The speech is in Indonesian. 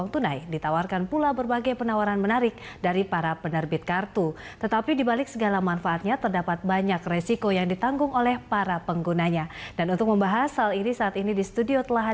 ibu ida nuryanti direktur departemen pengawasan sistem pembayaran bank indonesia